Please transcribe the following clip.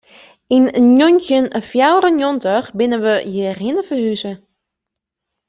Yn njoggentjin fjouwer en njoggentich binne we hjirhinne ferhûze.